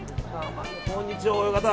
こんにちは、親方。